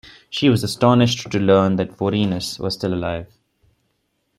She was astonished to learn that Vorenus was still alive.